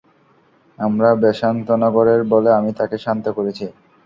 আমরা বেসান্তনগরের বলে আমি তাকে শান্ত করেছি।